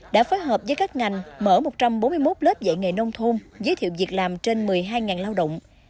đã phối hợp với các ngành mở một trăm bốn mươi một lớp dạy nghề nông thôn giới thiệu việc làm trên một mươi hai lao động